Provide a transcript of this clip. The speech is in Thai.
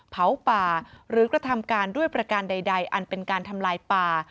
เผาป่าหรือกระทำการด้วยประการใดอันเป็นการทำลายป่า